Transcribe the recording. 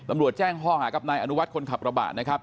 อำรวจแจ้งห้อหากับนายอนุวัติคนขับระบาดนะครับ